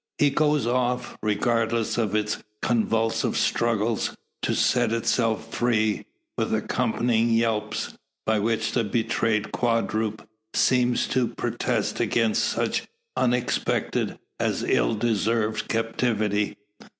He goes off, regardless of its convulsive struggles to set itself free, with accompanying yelps, by which the betrayed quadruped seems to protest against such unexpected as ill deserved, captivity.